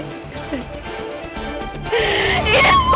ambil pulang terus di rehat